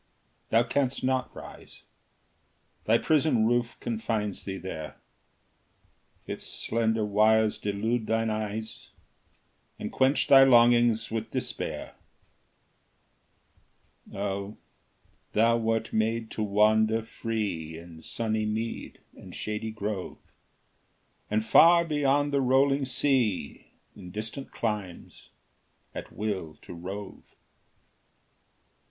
Thou canst not rise: Thy prison roof confines thee there; Its slender wires delude thine eyes, And quench thy longings with despair. Oh, thou wert made to wander free In sunny mead and shady grove, And far beyond the rolling sea, In distant climes, at will to rove!